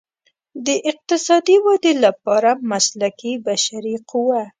د اقتصادي ودې لپاره مسلکي بشري قوه.